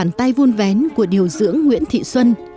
là một tay vuôn vén của điều dưỡng nguyễn thị xuân